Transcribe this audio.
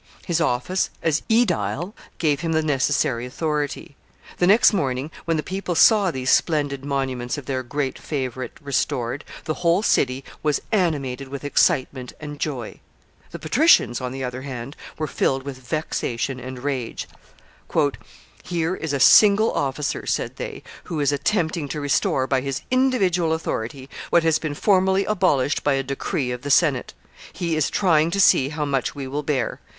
His office as aedile gave him the necessary authority. The next morning, when the people saw these splendid monuments of their great favorite restored, the whole city was animated with excitement and joy. The patricians, on the other hand, were filled with vexation and rage. "Here is a single officer," said they, "who is attempting to restore, by his individual authority, what has been formally abolished by a decree of the Senate. He is trying to see how much we will bear.